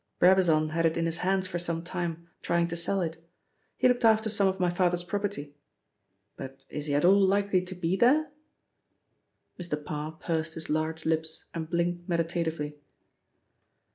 Brabazon had it in his hands for some time, trying to sell it. He looked after some of my father's property. But is he at all likely to be there?" Mr. Parr pursed his large lips and blinked meditatively.